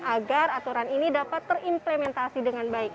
agar aturan ini dapat terimplementasi dengan baik